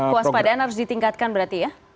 puas padaan harus ditingkatkan berarti ya